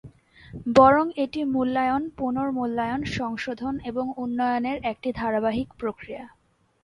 বরং এটি মূল্যায়ন, পুনর্মূল্যায়ন, সংশোধন এবং উন্নয়নের একটি ধারাবাহিক প্রক্রিয়া।